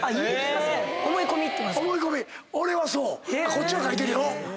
こっちはかいてるよ。